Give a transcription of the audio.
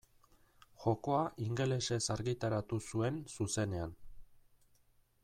Jokoa ingelesez argitaratu zuen zuzenean.